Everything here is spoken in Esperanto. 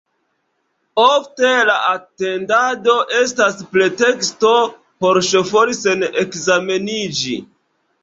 Ofte la atendado estas preteksto por ŝofori sen ekzameniĝi.